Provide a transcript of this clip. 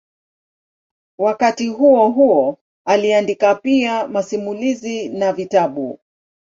Wakati huohuo aliandika pia masimulizi na vitabu.